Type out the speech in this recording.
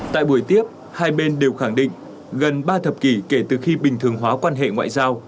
tại buổi tiếp hai bên đều khẳng định gần ba thập kỷ kể từ khi bình thường hóa quan hệ ngoại giao